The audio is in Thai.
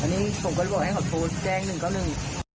อันนี้ผมอยากให้ขอโทษแจ้งหนึ่งกับหนึ่ง